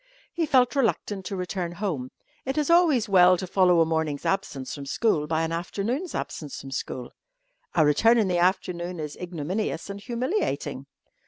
He felt reluctant to return home. It is always well to follow a morning's absence from school by an afternoon's absence from school. A return in the afternoon is ignominious and humiliating.